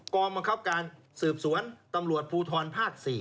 กองบังคับการสืบสวนตำรวจภูทรภาค๔